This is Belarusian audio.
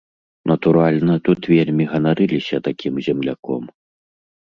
Натуральна, тут вельмі ганарыліся такім земляком.